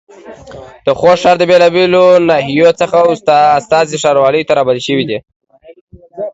د خوست ښار د بېلابېلو ناحيو څخه استازي ښاروالۍ ته رابلل شوي دي.